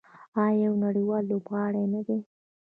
آیا یو نړیوال لوبغاړی نه دی؟